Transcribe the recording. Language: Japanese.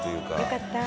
「よかった。